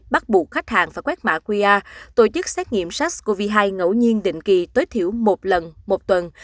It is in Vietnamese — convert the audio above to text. các bộ khách hàng và quét mã qr tổ chức xét nghiệm sars cov hai ngẫu nhiên định kỳ tối thiểu một lần một tuần